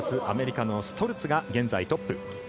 アメリカのストルツが現在トップ。